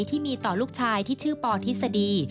ที่มีต่อลูกชายที่ชื่อปอทฤษฎี